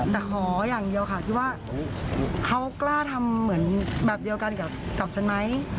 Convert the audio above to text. แต่ขออย่างเดียวค่ะที่ว่าเขากล้าทำเหมือนแบบเดียวกันกับฉันไหม